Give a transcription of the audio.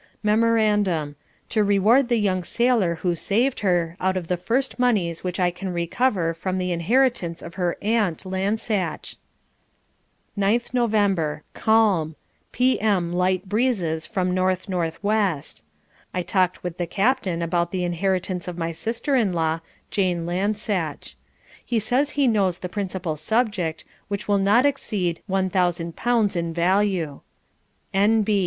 Memorandum to reward the young sailor who saved her out of the first moneys which I can recover from the inheritance of her aunt Lansache. 9th November calm P.M. light breezes from N. N. W. I talked with the captain about the inheritance of my sister in law, Jane Lansache. He says he knows the principal subject, which will not exceed L1000 in value. N. B.